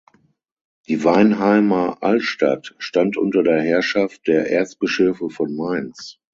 Die Weinheimer "Altstadt" stand unter der Herrschaft der Erzbischöfe von Mainz.